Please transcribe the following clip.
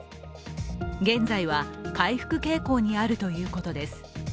現在は回復傾向にあるということです。